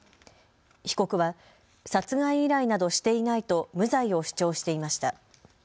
被告は殺害依頼などしていないと無罪を主張していました。